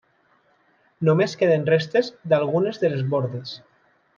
Només queden restes d'algunes de les bordes.